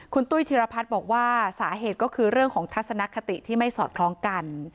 คุณตุ้ยธิรพัฒน์บอกว่าสาเหตุก็คือเรื่องของทัศนคติที่ไม่สอดคล้องกัน